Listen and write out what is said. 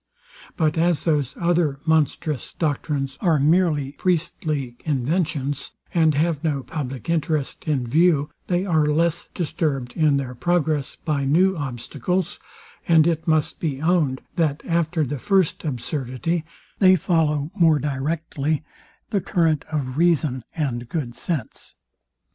But as those other monstrous doctines are mere priestly inventions, and have no public interest in view, they are less disturbed in their progress by new obstacles; and it must be owned, that, after the first absurdity, they follow more directly the current of reason and good sense.